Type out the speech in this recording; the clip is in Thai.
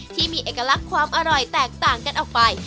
ที่มีเอกลักษณ์ความอร่อยแตกต่างกันออกไป